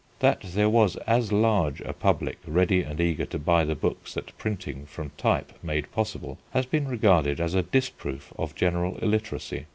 That there was as large a public ready and eager to buy the books that printing from type made possible has been regarded as a disproof of general illiteracy.